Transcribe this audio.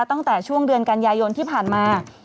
ตั้งแต่ช่วงเดือนกันยายนที่ผ่านมา